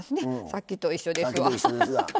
さっきと一緒ですけど。